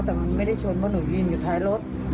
แต่มันไม่ได้ชนเพราะหนูยืนอยู่ท้ายรถ